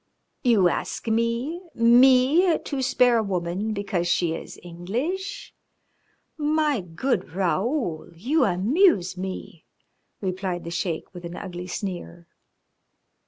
"You ask me, me to spare a woman because she is English? My good Raoul, you amuse me," replied the Sheik, with an ugly sneer.